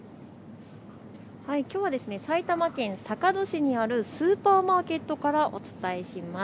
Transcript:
きょうは埼玉県坂戸市にあるスーパーマーケットからお伝えします。